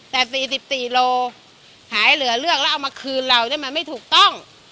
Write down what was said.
แต่๔๔โลหายเหลือเลือกแล้วเอามาคืนเราเนี่ยมันไม่ถูกต้อง